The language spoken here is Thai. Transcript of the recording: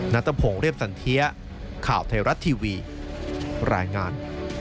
นัทพงศ์เรียบสันเทียข่าวไทยรัฐทีวีรายงาน